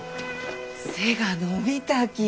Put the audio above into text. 背が伸びたき。